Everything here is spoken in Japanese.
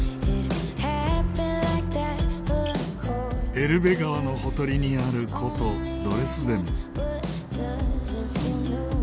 エルベ川のほとりにある古都ドレスデン。